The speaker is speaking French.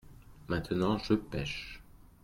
maintenant je pêche.